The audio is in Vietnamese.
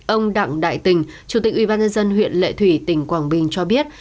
ông đặng đại tình chủ tịch ubnd huyện lệ thủy tỉnh quảng bình cho biết